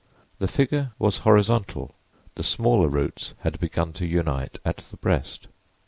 The figure was horizontal; the smaller roots had begun to unite at the breast.